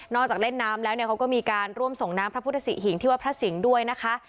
จากเล่นน้ำแล้วเนี่ยเขาก็มีการร่วมส่งน้ำพระพุทธศิหิงที่วัดพระสิงห์ด้วยนะคะ